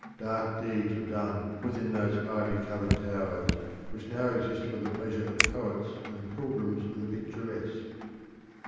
Dark deeds were done within those ivy covered towers which now exist for the pleasure of poets and pilgrims of the picturesque.